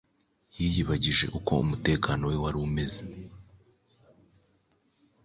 Yiyibagije uko umutekano we wari umeze,